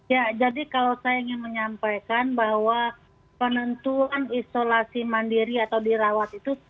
ya jadi kalau saya ingin menyampaikan bahwa penentuan isolasi mandiri atau dirawat itu